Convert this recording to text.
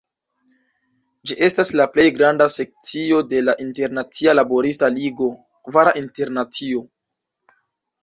Ĝi estas la plej granda sekcio de la Internacia Laborista Ligo (Kvara Internacio).